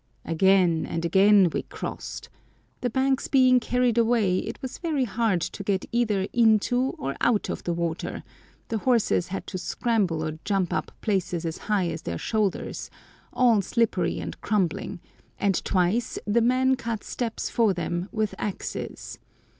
Again and again we crossed. The banks being carried away, it was very hard to get either into or out of the water; the horses had to scramble or jump up places as high as their shoulders, all slippery and crumbling, and twice the men cut steps for them with axes.